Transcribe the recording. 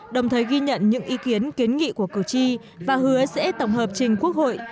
đồng thời ghi nhận những ý kiến kiến nghị của cử tri và hứa sẽ tổng hợp trình quốc hội